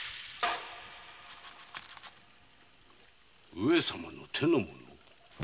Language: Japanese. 上様の手の者？